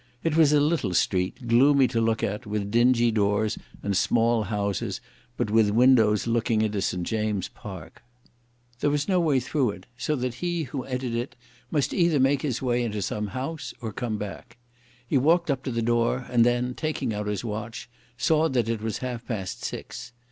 It was a little street, gloomy to look at, with dingy doors and small houses, but with windows looking into St. James's Park. There was no way through it, so that he who entered it must either make his way into some house, or come back. He walked up to the door, and then taking out his watch, saw that it was half past six.